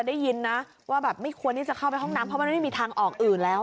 ได้ยินนะว่าแบบไม่ควรที่จะเข้าไปห้องน้ำเพราะมันไม่มีทางออกอื่นแล้ว